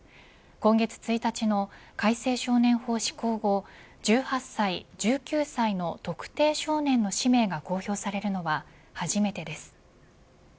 今月１日の改正少年法施行後１８歳、１９歳の特定少年の氏名が公表されるのは初めてです。